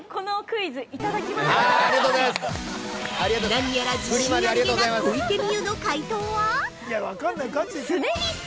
◆何やら自信ありげな小池美由の解答は？